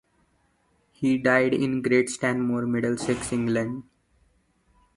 He died in Great Stanmore, Middlesex, England.